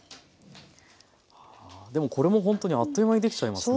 でもこれもほんとにあっという間にできちゃいますね。